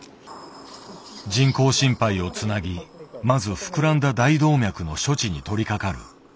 人工心肺をつなぎまず膨らんだ大動脈の処置に取りかかる。